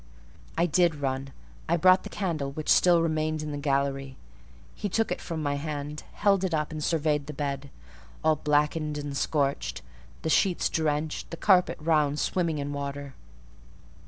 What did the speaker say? I did run; I brought the candle which still remained in the gallery. He took it from my hand, held it up, and surveyed the bed, all blackened and scorched, the sheets drenched, the carpet round swimming in water.